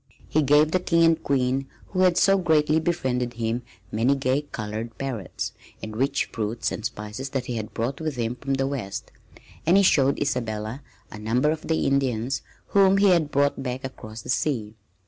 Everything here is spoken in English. He gave the King and Queen who had so greatly befriended him many gay colored parrots and rich fruits and spices that he had brought with him from the west, and he showed Isabella a number of the Indians whom he had brought back across the sea.